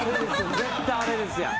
絶対あれですやん。